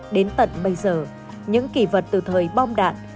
đến tận bây giờ những kỳ vật từ thời bom đạn